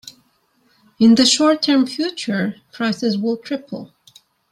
In the short term future, prices will triple.